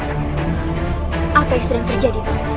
apa yang sedang terjadi